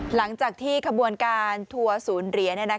หลังจากที่ขบวนการทัวร์ศูนย์เหรียญ